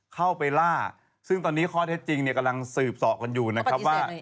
เข้าไปล่าซึ่งตอนนี้ข้อเท็จจริงเนี่ยกำลังสืบสอกันอยู่นะครับว่า